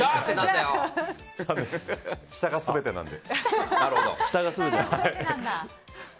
下が全てなので。